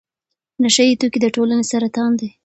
نشه يي توکي د ټولنې سرطان دی.